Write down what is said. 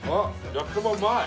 焼きそばうまい！